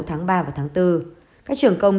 tháng ba và tháng bốn các trường công